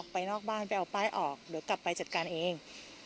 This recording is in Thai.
นอกบ้านไปเอาป้ายออกเดี๋ยวกลับไปจัดการเอง